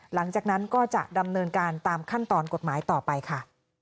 หลังจากนั้นก็จะดำเนินการตามขั้นตอนกฎหมายต่อไปค่ะ